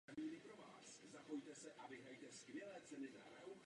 V současnosti zastává funkci generálního manažera týmu Detroit Red Wings.